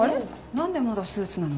何でまだスーツなの？